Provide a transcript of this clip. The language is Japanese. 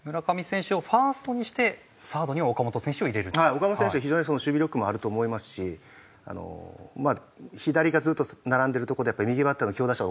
岡本選手は非常に守備力もあると思いますしまあ左がずっと並んでるとこでやっぱり右バッターの強打者を置きたいんですよね。